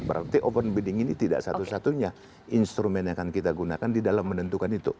berarti open bidding ini tidak satu satunya instrumen yang akan kita gunakan di dalam menentukan itu